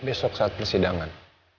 besok saat persidangan